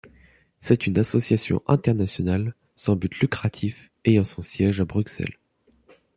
C'est une association internationale sans but lucratif ayant son siège à Bruxelles.